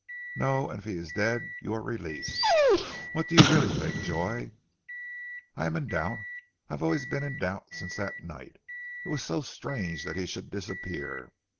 "No, and if he is dead, you are released! What do you really think, Joy?" "I am in doubt. I have always been in doubt since that night. It was so strange that he should disappear.